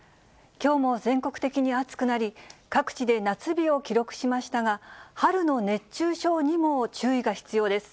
きょうも全国的に暑くなり、各地で夏日を記録しましたが、春の熱中症にも注意が必要です。